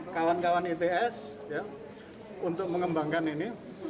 kawan kawan its untuk mengembangkan ini